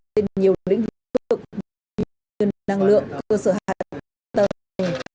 trên nhiều lĩnh vực như năng lượng cơ sở hạ tầng